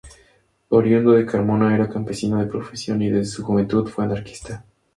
Oriundo de Carmona, era campesino de profesión y desde su juventud fue anarquista.